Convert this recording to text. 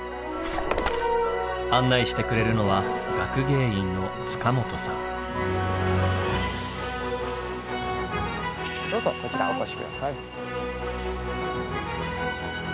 案内してくれるのはどうぞこちらお越し下さい。